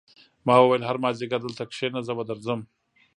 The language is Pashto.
ما وویل هر مازدیګر دلته کېنه زه به درځم